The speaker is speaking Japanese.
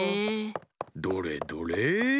どれどれ？